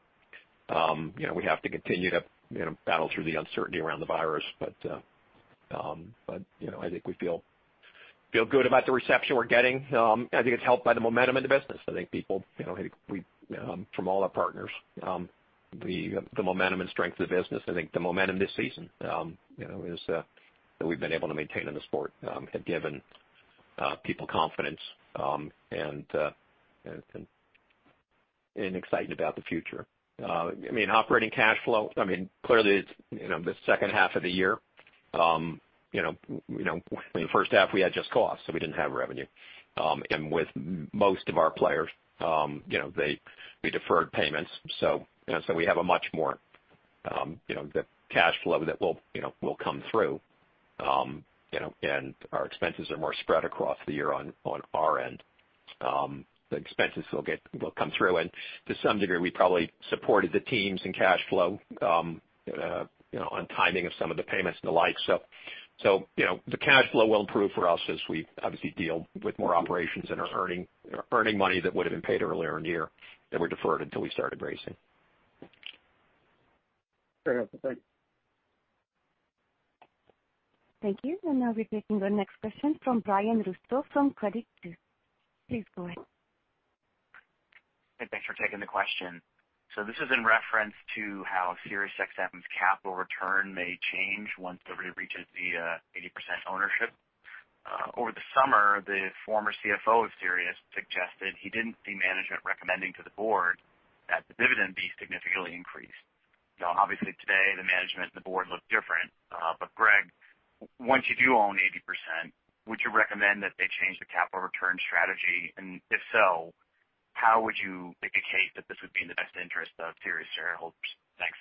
[SPEAKER 5] have to continue to battle through the uncertainty around the virus. I think we feel good about the reception we're getting. I think it's helped by the momentum in the business. I think from all our partners, the momentum and strength of the business, I think the momentum this season that we've been able to maintain in the sport, have given people confidence and excitement about the future. Operating cash flow, clearly it's the second half of the year. In the first half, we had just costs, so we didn't have revenue. With most of our players, we deferred payments. We have a much more cash flow that will come through. Our expenses are more spread across the year on our end. The expenses will come through, and to some degree, we probably supported the teams in cash flow on timing of some of the payments and the like. The cash flow will improve for us as we obviously deal with more operations and are earning money that would've been paid earlier in the year that were deferred until we started racing.
[SPEAKER 10] Fair enough. Thank you.
[SPEAKER 1] Thank you. Now we're taking our next question from Brian Russo from Credit Suisse. Please go ahead.
[SPEAKER 11] Hey, thanks for taking the question. This is in reference to how SiriusXM's capital return may change once Liberty reaches the 80% ownership. Over the summer, the former CFO of SiriusXM suggested he didn't see management recommending to the board that the dividend be significantly increased. Obviously, today, the management and the board look different. Greg, once you do own 80%, would you recommend that they change the capital return strategy? If so, how would you make the case that this would be in the best interest of SiriusXM shareholders? Thanks.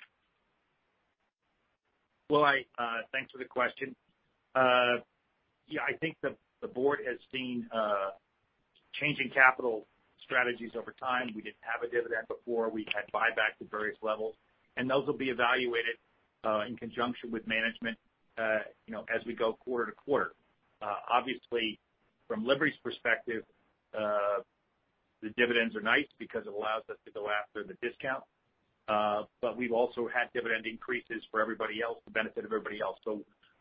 [SPEAKER 3] Well, thanks for the question. Yeah, I think the board has seen changing capital strategies over time. We didn't have a dividend before. We had buybacks at various levels. Those will be evaluated in conjunction with management as we go quarter to quarter. Obviously, from Liberty's perspective, the dividends are nice because it allows us to go after the discount. We've also had dividend increases for everybody else, the benefit of everybody else.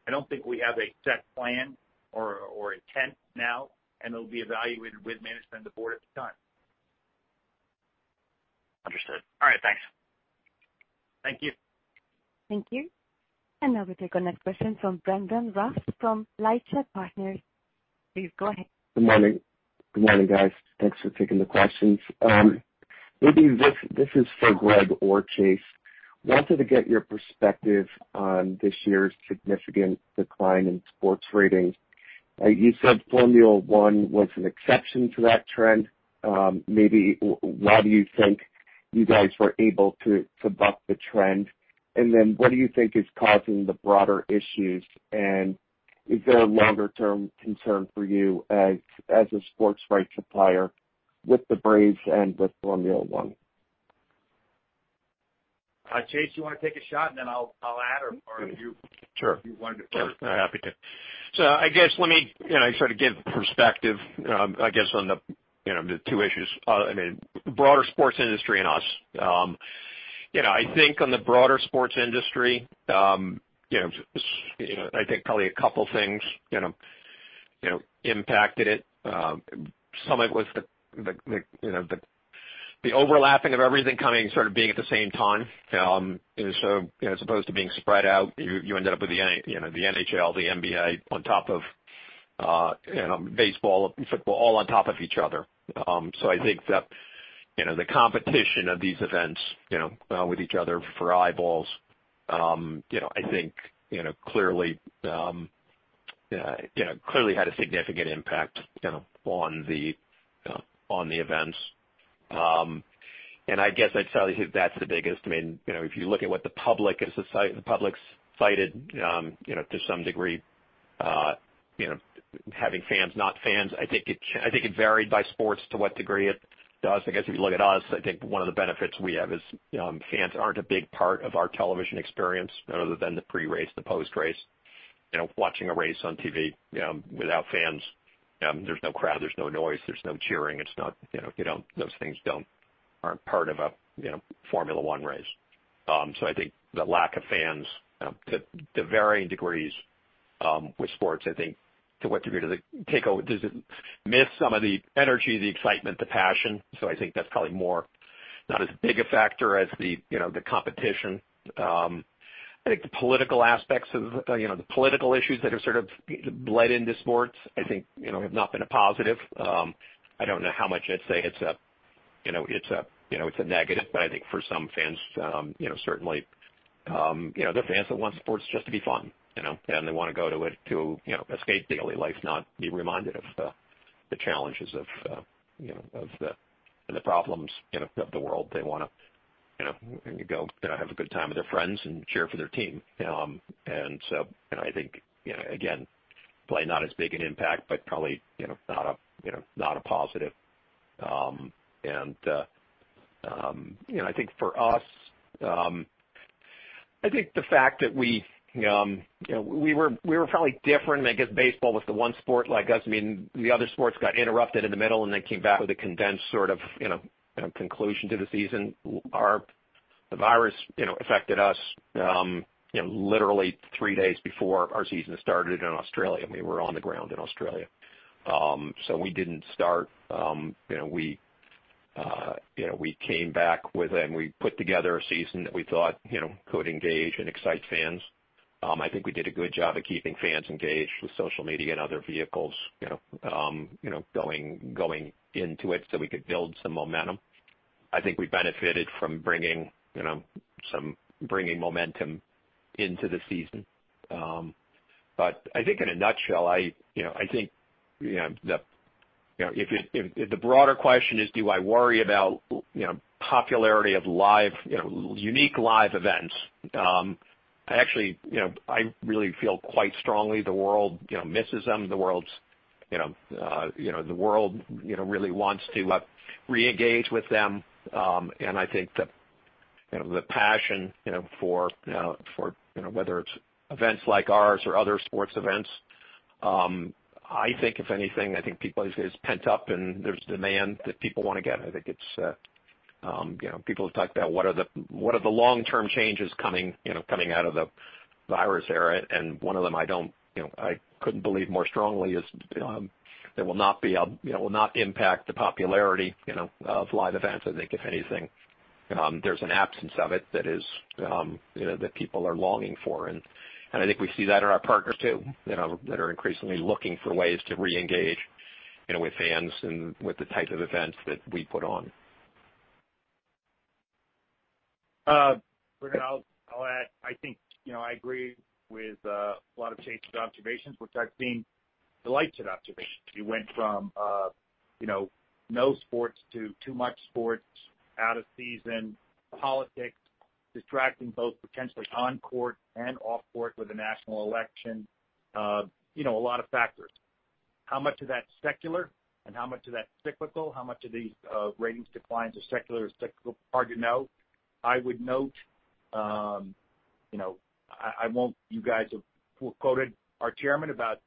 [SPEAKER 3] I don't think we have a set plan or intent now, and it'll be evaluated with management and the board at the time.
[SPEAKER 11] Understood. All right. Thanks.
[SPEAKER 3] Thank you.
[SPEAKER 1] Thank you. Now we take our next question from Brandon Ross from LightShed Partners. Please go ahead.
[SPEAKER 12] Good morning, guys. Thanks for taking the questions. Maybe this is for Greg or Chase. Wanted to get your perspective on this year's significant decline in sports ratings. You said Formula One was an exception to that trend. Maybe why do you think you guys were able to buck the trend? What do you think is causing the broader issues, and is there a longer-term concern for you as a sports rights supplier with the Braves and with Formula One?
[SPEAKER 3] Chase, you want to take a shot, and then I'll add or part if you
[SPEAKER 5] Sure
[SPEAKER 3] You wanted to first?
[SPEAKER 5] Yeah, happy to. I guess, let me sort of give perspective, I guess, on the two issues. Broader sports industry and us. I think on the broader sports industry, I think probably a couple things impacted it. Some of it was the overlapping of everything coming sort of being at the same time. As opposed to being spread out, you ended up with the NHL, the NBA on top of baseball, football, all on top of each other. I think that the competition of these events with each other for eyeballs, I think clearly had a significant impact on the events. I guess I'd tell you that's the biggest. If you look at what the public, as a society, the public's cited to some degree having fans, not fans. I think it varied by sports to what degree it does. I guess if you look at us, I think one of the benefits we have is fans aren't a big part of our television experience other than the pre-race, the post-race. Watching a race on TV without fans there's no crowd, there's no noise, there's no cheering. Those things aren't part of a Formula One race. I think the lack of fans to varying degrees with sports, I think to what degree does it miss some of the energy, the excitement, the passion. I think that's probably more, not as big a factor as the competition. I think the political aspects of the political issues that have sort of bled into sports, I think have not been a positive. I don't know how much I'd say it's a negative, but I think for some fans, certainly, there are fans that want sports just to be fun. They want to go to it to escape daily life, not be reminded of the challenges of the problems of the world. They want to go have a good time with their friends and cheer for their team. I think, again, probably not as big an impact, but probably not a positive. I think for us, I think the fact that we were probably different, and I guess baseball was the one sport like us. The other sports got interrupted in the middle and then came back with a condensed sort of conclusion to the season. The virus affected us literally three days before our season started in Australia. We were on the ground in Australia. We didn't start. We came back with it, and we put together a season that we thought could engage and excite fans. I think we did a good job of keeping fans engaged with social media and other vehicles going into it so we could build some momentum. I think we benefited from bringing momentum into the season. I think in a nutshell, if the broader question is do I worry about popularity of unique live events? I really feel quite strongly the world misses them. The world really wants to reengage with them. I think that the passion, whether it's events like ours or other sports events, I think if anything, I think people are just pent up and there's demand that people want to get. I think people have talked about what are the long-term changes coming out of the virus era, and one of them I couldn't believe more strongly is it will not impact the popularity of live events. I think if anything, there's an absence of it that people are longing for. I think we see that in our partners too that are increasingly looking for ways to reengage with fans and with the type of events that we put on.
[SPEAKER 3] Brandon, I'll add, I think I agree with a lot of Chase's observations, which I think delight observations. You went from no sports to too much sports, out of season, politics distracting both potentially on court and off court with the national election. A lot of factors. How much of that's secular and how much of that's cyclical, how much of these ratings declines are secular or cyclical? Hard to know. I would note, you guys have quoted our Chairman about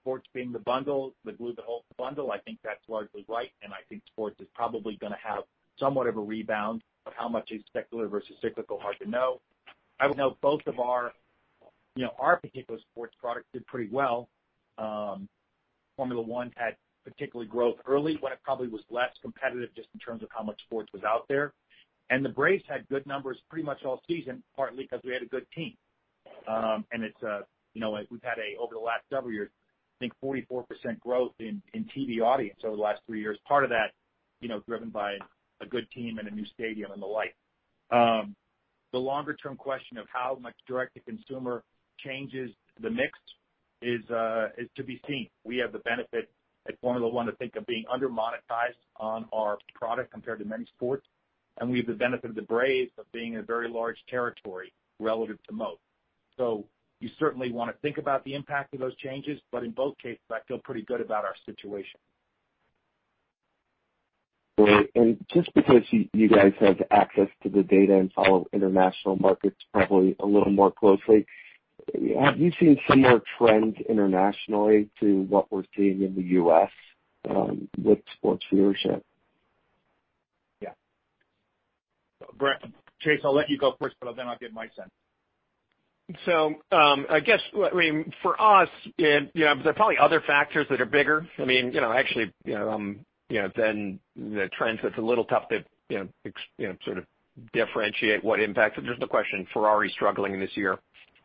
[SPEAKER 3] sports being the bundle, that glue the whole bundle. I think that's largely right, I think sports is probably going to have somewhat of a rebound. How much is secular versus cyclical? Hard to know. I would note both of our particular sports product did pretty well. Formula One had particularly growth early when it probably was less competitive just in terms of how much sports was out there. The Braves had good numbers pretty much all season, partly because we had a good team. We've had, over the last several years, I think 44% growth in TV audience over the last three years, part of that driven by a good team and a new stadium and the like. The longer-term question of how much direct-to-consumer changes the mix is to be seen. We have the benefit at Formula One to think of being under-monetized on our product compared to many sports, and we have the benefit of the Braves of being a very large territory relative to most. You certainly want to think about the impact of those changes. In both cases, I feel pretty good about our situation.
[SPEAKER 12] Just because you guys have access to the data and follow international markets probably a little more closely, have you seen similar trends internationally to what we're seeing in the U.S. with sports viewership?
[SPEAKER 3] Yeah. Chase, I'll let you go first, but then I'll give my sense.
[SPEAKER 5] I guess for us, there are probably other factors that are bigger than the trends that's a little tough to sort of differentiate what impacts it. There's no question Ferrari struggling this year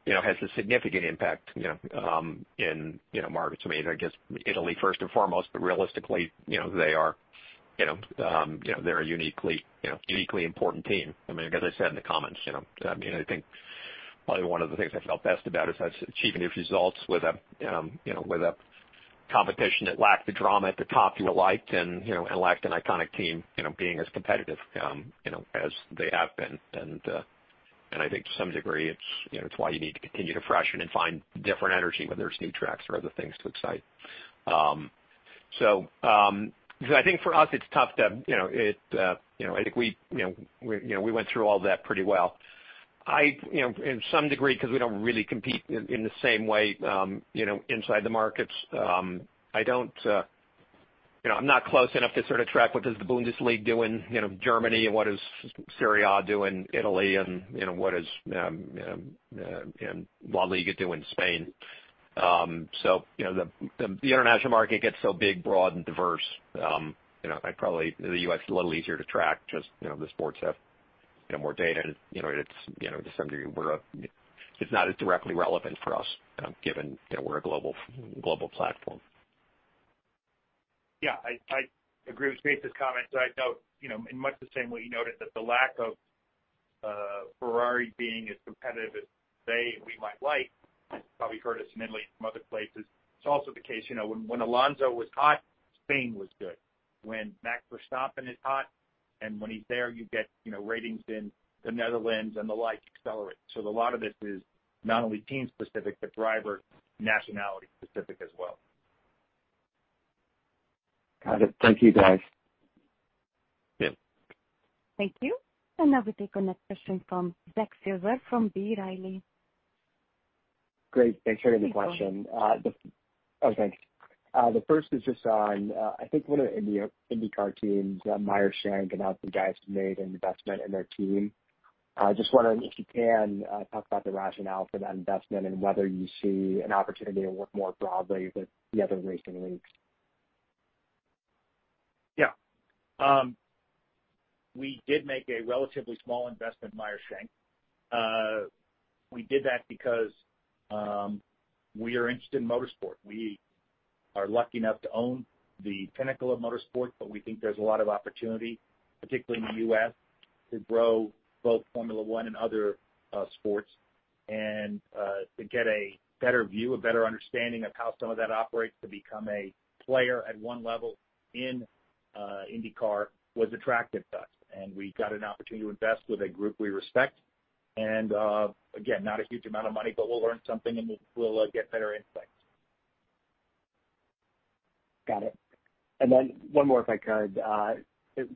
[SPEAKER 5] has a significant impact in markets. I mean, I guess Italy first and foremost, but realistically they're a uniquely important team. As I said in the comments, I think probably one of the things I felt best about is achieving these results with a competition that lacked the drama at the top you liked and lacked an iconic team being as competitive as they have been. I think to some degree it's why you need to continue to freshen and find different energy when there's new tracks or other things to excite. I think for us I think we went through all that pretty well. In some degree, because we don't really compete in the same way inside the markets, I'm not close enough to sort of track what does the Bundesliga do in Germany and what does Serie A do in Italy and what does La Liga do in Spain. The international market gets so big, broad, and diverse. The U.S. a little easier to track, just the sports have more data and to some degree it's not as directly relevant for us given that we're a global platform.
[SPEAKER 3] Yeah. I agree with Chase's comment. I note in much the same way you noted that the lack of Ferrari being as competitive as they and we might like has probably hurt us in Italy and some other places. It's also the case when Alonso was hot, Spain was good. When Max Verstappen is hot and when he's there, you get ratings in the Netherlands and the like accelerate. A lot of this is not only team specific, but driver nationality specific as well.
[SPEAKER 12] Got it. Thank you, guys.
[SPEAKER 3] Yeah.
[SPEAKER 1] Thank you. Now we take the next question from Zach Silver from B. Riley.
[SPEAKER 13] Great. Thanks for taking the question.
[SPEAKER 1] Please go on.
[SPEAKER 13] Oh, thanks. The first is just on I think one of the IndyCar teams, Meyer Shank and how some guys made an investment in their team. Just wondering if you can talk about the rationale for that investment and whether you see an opportunity to work more broadly with the other racing leagues?
[SPEAKER 3] Yeah. We did make a relatively small investment in Meyer Shank. We did that because we are interested in motorsport. We are lucky enough to own the pinnacle of motorsport, but we think there's a lot of opportunity, particularly in the U.S., to grow both Formula One and other sports and to get a better view, a better understanding of how some of that operates to become a player at one level in IndyCar was attractive to us. We got an opportunity to invest with a group we respect. Again, not a huge amount of money, but we'll learn something and we'll get better insights.
[SPEAKER 13] Got it. One more, if I could.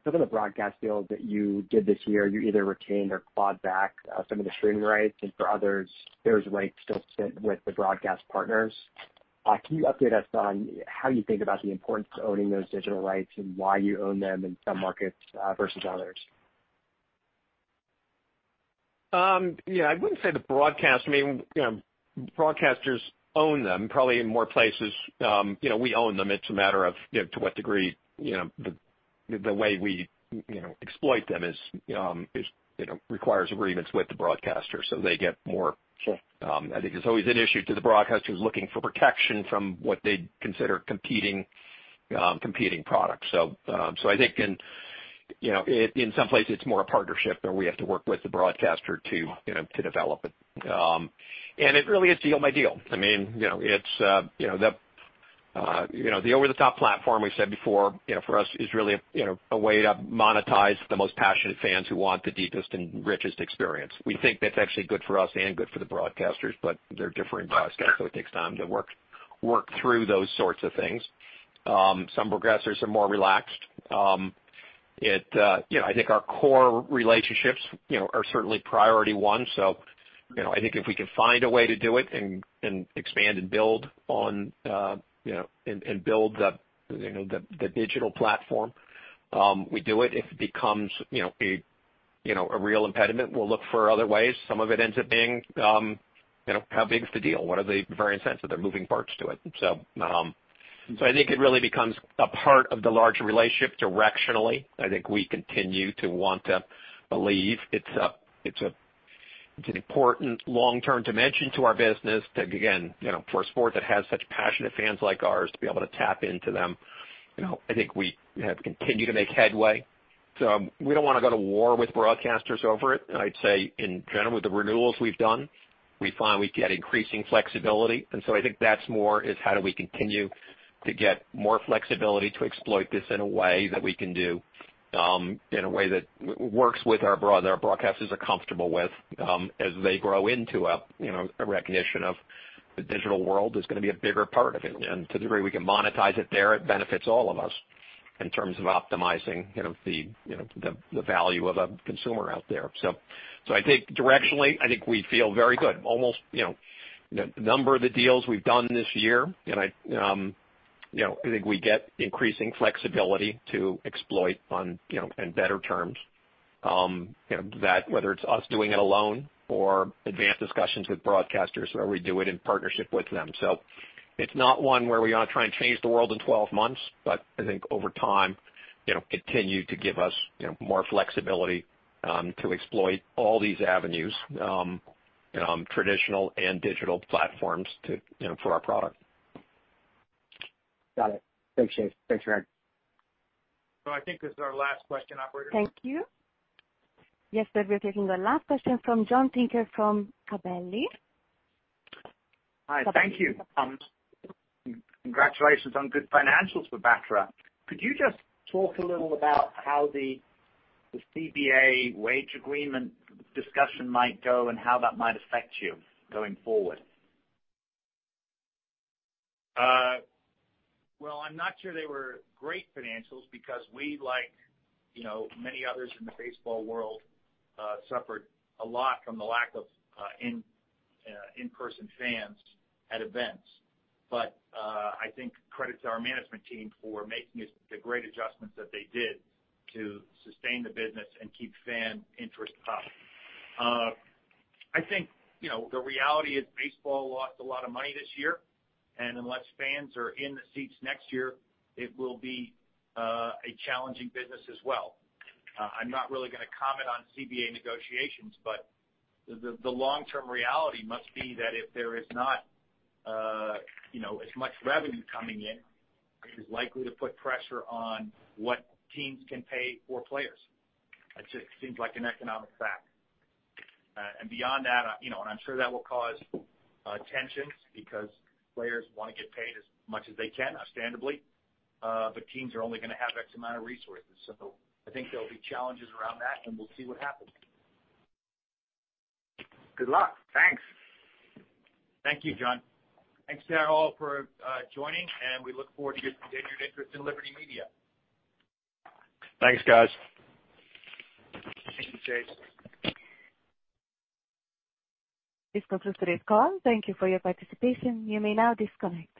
[SPEAKER 13] Some of the broadcast deals that you did this year, you either retained or clawed back some of the streaming rights, and for others, those rights still sit with the broadcast partners. Can you update us on how you think about the importance of owning those digital rights and why you own them in some markets versus others?
[SPEAKER 5] Yeah, I wouldn't say the broadcast. Broadcasters own them probably in more places. We own them. It's a matter of to what degree the way we exploit them requires agreements with the broadcaster, so they get more.
[SPEAKER 13] Sure
[SPEAKER 5] I think it's always an issue to the broadcasters looking for protection from what they'd consider competing products. I think in some places it's more a partnership where we have to work with the broadcaster to develop it. It really is deal by deal. The over-the-top platform we've said before for us is really a way to monetize the most passionate fans who want the deepest and richest experience. We think that's actually good for us and good for the broadcasters, but they're different broadcasters, so it takes time to work through those sorts of things. Some broadcasters are more relaxed. I think our core relationships are certainly priority one. I think if we can find a way to do it and expand and build the digital platform, we do it. If it becomes a real impediment, we'll look for other ways. Some of it ends up being how big is the deal? What are the various sets of the moving parts to it? I think it really becomes a part of the larger relationship directionally. I think we continue to want to believe it's an important long-term dimension to our business to, again, for a sport that has such passionate fans like ours to be able to tap into them. I think we have continued to make headway. We don't want to go to war with broadcasters over it. I'd say in general with the renewals we've done, we find we get increasing flexibility. I think that's more is how do we continue to get more flexibility to exploit this in a way that we can do, in a way that works with our broadcasters are comfortable with as they grow into a recognition of the digital world is going to be a bigger part of it. To the degree we can monetize it there, it benefits all of us in terms of optimizing the value of a consumer out there. I think directionally, I think we feel very good. The number of the deals we've done this year, and I think we get increasing flexibility to exploit on and better terms, whether it's us doing it alone or advanced discussions with broadcasters where we do it in partnership with them. It's not one where we are trying to change the world in 12 months, but I think over time, continue to give us more flexibility to exploit all these avenues, traditional and digital platforms for our product.
[SPEAKER 13] Got it. Thanks, Chase. Thanks, Greg.
[SPEAKER 3] I think this is our last question, operator.
[SPEAKER 1] Thank you. Yes, sir. We're taking the last question from John Tinker from Gabelli.
[SPEAKER 14] Hi. Thank you. Congratulations on good financials for BATRA. Could you just talk a little about how the CBA wage agreement discussion might go and how that might affect you going forward?
[SPEAKER 3] Well, I'm not sure they were great financials because we, like many others in the baseball world, suffered a lot from the lack of in-person fans at events. I think credit to our management team for making the great adjustments that they did to sustain the business and keep fan interest up. I think the reality is baseball lost a lot of money this year, and unless fans are in the seats next year, it will be a challenging business as well. I'm not really going to comment on CBA negotiations, but the long-term reality must be that if there is not as much revenue coming in, it is likely to put pressure on what teams can pay for players. That just seems like an economic fact. Beyond that, and I'm sure that will cause tensions because players want to get paid as much as they can, understandably. Teams are only going to have X amount of resources. I think there will be challenges around that, and we will see what happens.
[SPEAKER 14] Good luck. Thanks.
[SPEAKER 3] Thank you, John. Thanks to you all for joining, and we look forward to your continued interest in Liberty Media.
[SPEAKER 5] Thanks, guys.
[SPEAKER 14] Thank you, Chase.
[SPEAKER 1] This concludes today's call. Thank you for your participation. You may now disconnect.